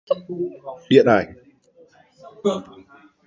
Điện ảnh